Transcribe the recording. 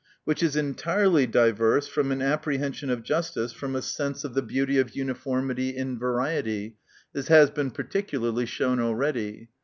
Which is entirely diverse from an apprehension of justice, from a sense of the beauty ol uniformity in variety : as has been particularly shown already.